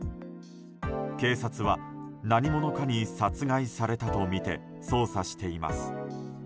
警察は何者かに殺害されたとみて捜査しています。